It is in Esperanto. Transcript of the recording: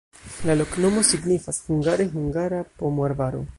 La loknomo signifas hungare: hungara-pomoarbaro.